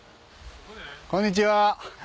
こんにちは。